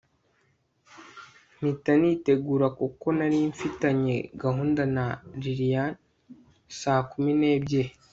mpita nitegura kuko narimfitanye gahunda na lilian saa kumi nebyiri